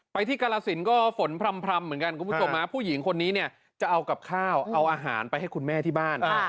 ที่กรสินก็ฝนพร่ำเหมือนกันคุณผู้ชมผู้หญิงคนนี้เนี่ยจะเอากับข้าวเอาอาหารไปให้คุณแม่ที่บ้าน